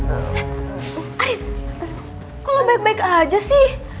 arif kok lo baik baik aja sih